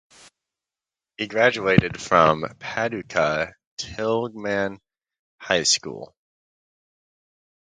He graduated from Paducah Tilghman High School.